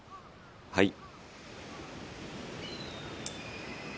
はい。